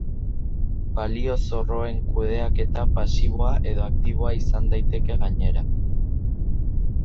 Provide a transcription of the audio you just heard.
Balio-zorroen kudeaketa pasiboa edo aktiboa izan daiteke gainera.